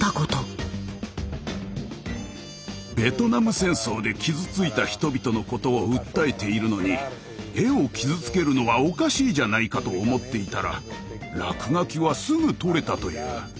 ベトナム戦争で傷ついた人々のことを訴えているのに絵を傷つけるのはおかしいじゃないかと思っていたら落書きはすぐ取れたという。